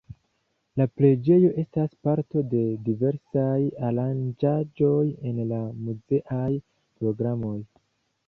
La preĝejo estas parto de diversaj aranĝaĵoj en la muzeaj programoj.